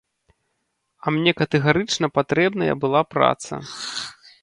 А мне катэгарычна патрэбная была праца.